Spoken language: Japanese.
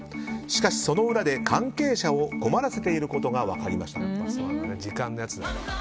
しかし、その裏で関係者を困らせていることが分かりました。